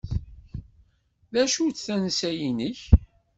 D acu-tt tansa-inek?